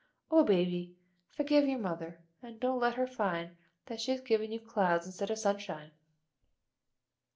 O Baby, forgive your mother; and don't let her find that she has given you clouds instead of sunshine."